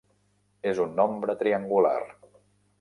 És un nombre triangular.